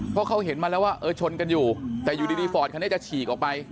เพราะเขาเห็นมาแล้วว่าเออชนกันอยู่แต่อยู่ดีฟอร์ดคันนี้จะฉีกออกไป